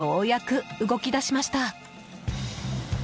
ようやく動き出しました。